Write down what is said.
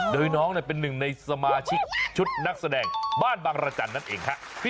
โดยน้องเป็นหนึ่งในสมาชิกชุดนักแสดงบ้านบางรจันทร์นั่นเองฮะ